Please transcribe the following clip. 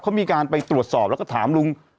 เขามีการไปตรวจสอบแล้วก็ถามลุง